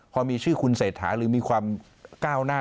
พอมีชื่อคุณเศรษฐาหรือมีความก้าวหน้า